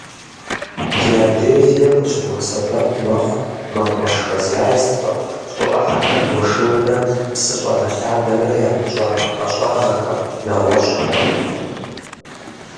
Геодезиер къыщыбгъэсэбэп мэхъу мэкъумэш хозяйствэм, щӀы Ӏыхьэхэр гуэшынымрэ псы щӀэгъэлъадэмрэ япыщӀа ӀэщӀагъэхэм, нэгъуэщӀхэми.